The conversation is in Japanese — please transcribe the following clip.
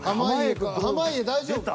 濱家大丈夫か？